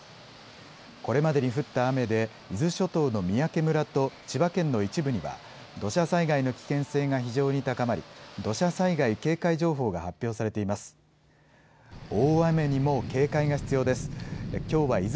これまでに降った雨で伊豆諸島の三宅村と千葉県の一部には土砂災害の危険性が非常に高まり土砂災害警戒情報が発表されています。